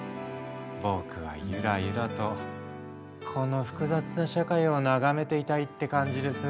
僕はゆらゆらとこの複雑な社会を眺めていたいって感じです。